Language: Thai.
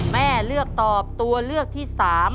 แม่เลือกตอบตัวเลือกที่๓